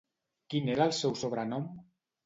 Quin era el seu sobrenom?